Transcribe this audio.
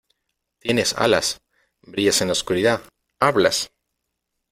¡ Tienes alas !¡ brillas en la oscuridad !¡ hablas !